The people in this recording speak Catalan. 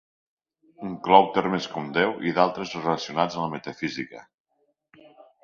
Inclou termes com Déu i d'altres relacionats amb la metafísica.